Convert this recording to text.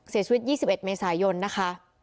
เสียชีวิต๒๑เมษายนนะคะ